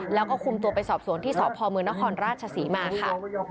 แล้วก็คุมตัวไปสอบสวนที่สพมนครราชศรีมาค่ะ